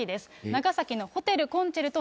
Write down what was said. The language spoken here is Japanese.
長崎のホテルコンチェルト